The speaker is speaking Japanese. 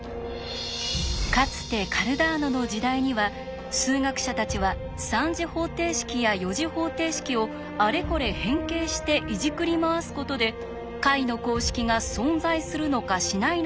かつてカルダーノの時代には数学者たちは３次方程式や４次方程式をあれこれ変形していじくり回すことで解の公式が存在するのかしないのかを調べていました。